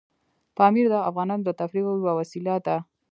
پامیر د افغانانو د تفریح یوه وسیله ده.